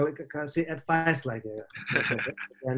dia bisa ngasih saran